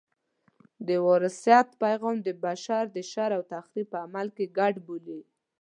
د وراثت پیغام د بشر د شر او تخریب په عمل کې ګډ بولي.